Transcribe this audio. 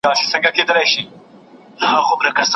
ښه نوم ګټل ګران دي خو ساتل یې لا ګران.